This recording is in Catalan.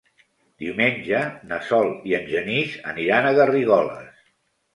Diumenge na Sol i en Genís aniran a Garrigoles.